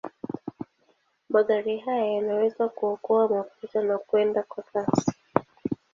Magari haya yanaweza kuokoa mafuta na kwenda kwa kasi.